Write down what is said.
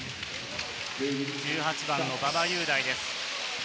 １８番の馬場雄大です。